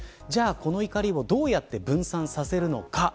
この怒りをどうやって分散させるのか。